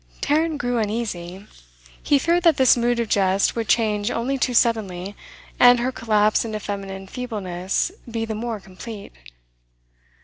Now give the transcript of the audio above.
Tarrant grew uneasy. He feared that this mood of jest would change only too suddenly, and her collapse into feminine feebleness be the more complete.